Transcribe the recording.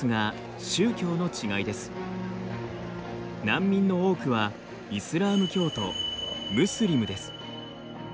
難民の多くはイスラーム教徒ムスリムです。